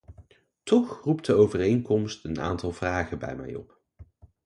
Toch roept de overeenkomst een aantal vragen bij mij op.